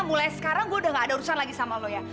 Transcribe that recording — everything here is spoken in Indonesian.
mulai sekarang gue udah gak ada urusan lagi sama lo ya